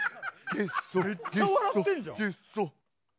めっちゃ笑ってんじゃん。